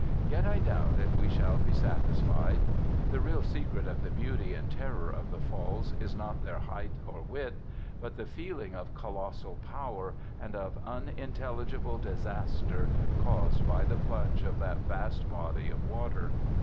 Yet, I doubt if we shall be satisfied. The real secret of the beauty and terror of the Falls is not their height or width, but the feeling of colossal power and of unintelligible disaster caused by the plunge of that vast body of water.